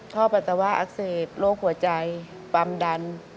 ท่อปัตตาวะอักเสบโรคหัวใจปรำดัน